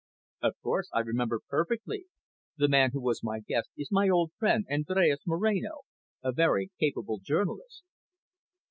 "Of course, I remember perfectly. The man who was my guest is my old friend Andres Moreno, a very capable journalist."